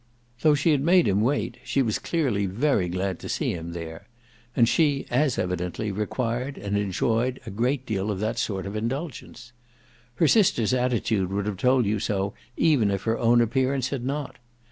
Though she had made him wait she was clearly very glad to see him there; and she as evidently required and enjoyed a great deal of that sort of indulgence. Her sister's attitude would have told you so even if her own appearance had not.